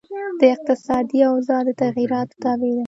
دا د اقتصادي اوضاع د تغیراتو تابع ده.